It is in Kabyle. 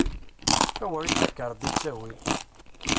Awer i d-yefk Ṛebbi ttawil!